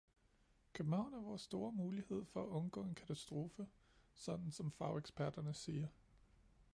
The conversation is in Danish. København er vores store mulighed for at undgå en katastrofe, sådan som fageksperterne siger.